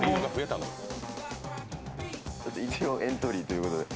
一応エントリーということで。